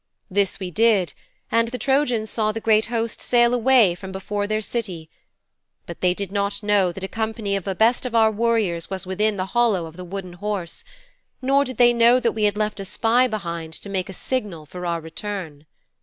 This we did, and the Trojans saw the great host sail away from before their City. But they did not know that a company of the best of our warriors was within the hollow of the Wooden Horse, nor did they know that we had left a spy behind to make a signal for our return.'